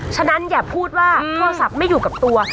ฉะนั้นอย่าพูดว่าโทรศัพท์ไม่อยู่กับตัว